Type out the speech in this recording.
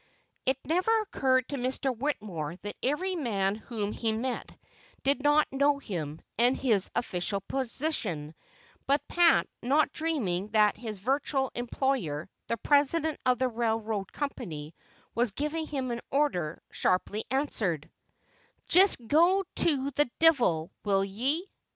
It never occurred to Mr. Whittemore that every man whom he met did not know him and his official position; but Pat, not dreaming that his virtual employer, the president of the railroad company, was giving him an order, sharply answered: "Jist go to the divil, will ye?"